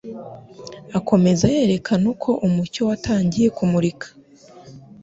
akomeza yerekana uko umucyo watangiye kumurika